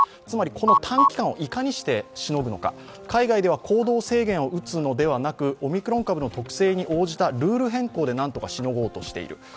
つまりこの短期間をいかにしてしのぐのか、海外では行動制限を打つのではなく、オミクロン株の特性に応じたルール変更で何とかしのごうとしている。